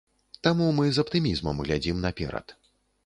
Таму мы з аптымізмам глядзім наперад.